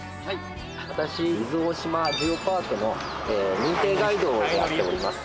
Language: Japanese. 私伊豆大島ジオパークの認定ガイドをやっております